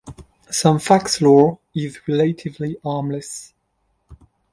Some faxlore is relatively harmless.